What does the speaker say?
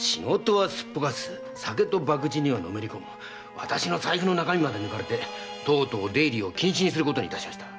私の財布の中身まで抜かれてとうとう出入り禁止にしました。